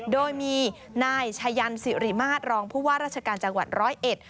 โดยมีนายชายันสิริมาตรรองผู้ว่าราชการจังหวัดร้อยเอ็ด